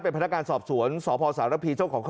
เป็นตัวแทนของ